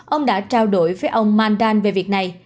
ông đã trao đổi với ông mandan về việc này